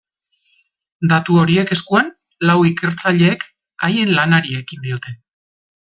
Datu horiek eskuan, lau ikertzaileek haien lanari ekin diote.